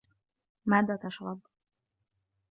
ماذا تشرب ؟